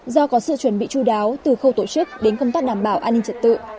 do có sự chuẩn bị chú đáo từ khâu tổ chức đến công tác đảm bảo an ninh trật tự